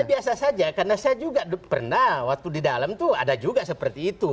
ya biasa saja karena saya juga pernah waktu di dalam tuh ada juga seperti itu